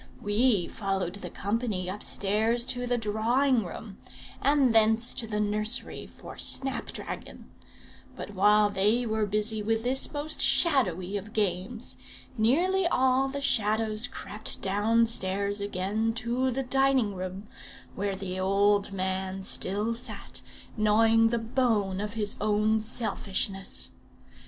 We followed the company upstairs to the drawing room, and thence to the nursery for snap dragon; but while they were busy with this most shadowy of games, nearly all the Shadows crept downstairs again to the dining room, where the old man still sat, gnawing the bone of his own selfishness.